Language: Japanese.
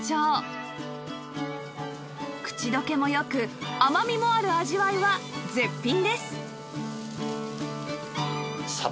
口溶けも良く甘みもある味わいは絶品です